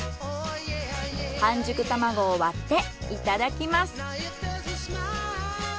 半熟卵を割っていただきます。